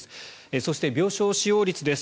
そして、病床使用率です。